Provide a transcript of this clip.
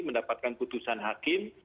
mendapatkan putusan hakim